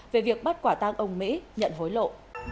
về việc bắt quả tang ông mỹ nhận hối lộ